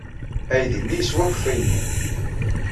Aydi-nni yeswa akeffay-nni.